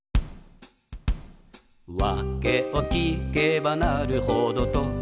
「わけを聞けばなるほどと」